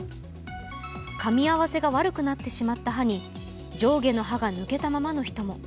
かみ合わせが悪くなってしまった歯に上下の歯が抜けたままの人も。